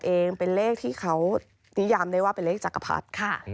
เองเป็นเลขที่เขานิยามได้ว่าเป็นเลขจักรพรรดิค่ะ